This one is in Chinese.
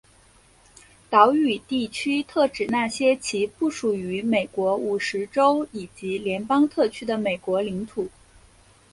岛屿地区特指那些其不属于美国五十州以及联邦特区的美国领土。